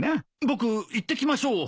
僕行ってきましょう。